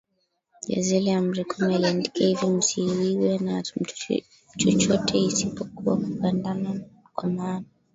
ya zile Amri kumi aliandika hivi Msiwiwe na mtu chochote isipokuwa kupendana kwa maana